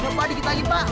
lupa dikit lagi pak